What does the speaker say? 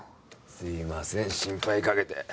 すいません心配かけて。